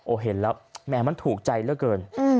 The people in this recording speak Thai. โอ้เห็นแล้วแม่มันถูกใจแล้วเกิน